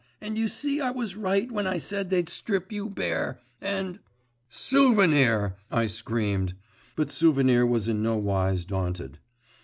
And you see I was right when I said they'd strip you bare, and.…' 'Souvenir!' I screamed; but Souvenir was in nowise daunted.